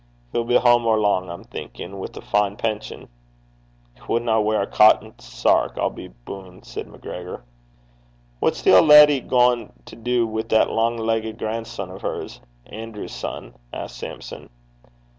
He'll be hame or lang, I'm thinkin', wi' a fine pension.' 'He winna weir a cotton sark, I'll be boon',' said MacGregor. 'What's the auld leddy gaein' to du wi' that lang leggit oye (grandson) o' hers, Anerew's son?' asked Sampson.